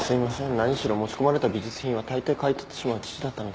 何しろ持ち込まれた美術品はたいてい買い取ってしまう父だったので。